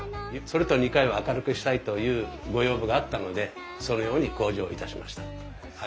それと２階は明るくしたいというご要望があったのでそのように工事をいたしました。